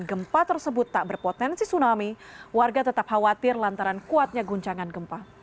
gempa tersebut tak berpotensi tsunami warga tetap khawatir lantaran kuatnya guncangan gempa